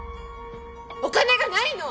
お金が無いの！